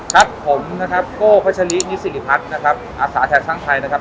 ครับผมนะครับกพนิศริพัทอาสาธาชทั้งไทยนะครับ